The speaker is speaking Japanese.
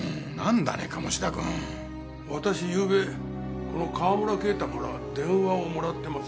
私ゆうべこの川村啓太から電話をもらってます。